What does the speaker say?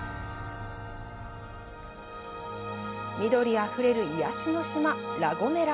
緑あふれる癒やし島、ラ・ゴメラ。